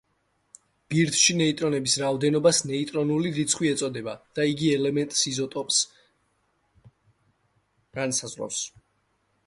ბირთვში ნეიტრონების რაოდენობას ნეიტრონული რიცხვი ეწოდება და იგი ელემენტის იზოტოპს განსაზღვრავს.